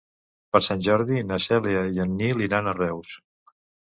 Per Sant Jordi na Cèlia i en Nil iran a Reus.